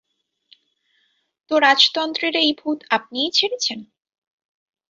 তো রাজতন্ত্রের এই ভুত আপনিই ছেড়েছেন।